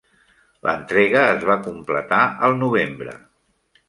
L'entrega es va completar al novembre.